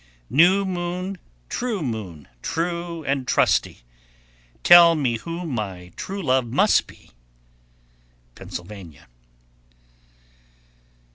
_ 1090. New moon, true moon, true and trusty, Tell me who my true love must be. _Pennsylvania.